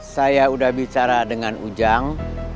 saya sudah bicara dengan ujang